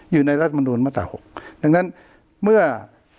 อยู่ในรัฐมนุนมาตรา๖ดังนั้นเมื่อ